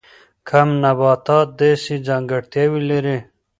کم نباتات داسې ځانګړتیاوې لري.